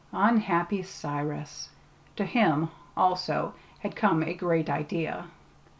Unhappy Cyrus! To him, also, had come a great idea.